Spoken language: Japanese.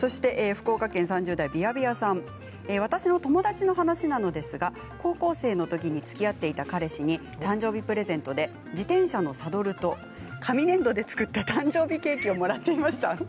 福岡県３０代の方私の友達の話なのですが高校生のときにつきあっていた彼氏に誕生日プレゼントで自転車のサドルと紙粘土で作った誕生日ケーキをもらっていました。